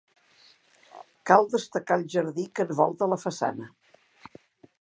Cal destacar el jardí que envolta la façana.